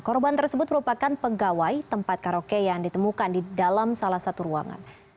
korban tersebut merupakan pegawai tempat karaoke yang ditemukan di dalam salah satu ruangan